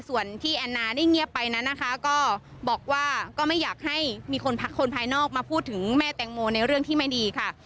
ส่วนที่แอนนาได้เงียบไปนั้นนะคะก็บอกว่าก็ไม่อยากให้มีคนพักคนภายนอกมาพูดถึงแม่แตงโมในเรื่องที่ไม่ดีค่ะ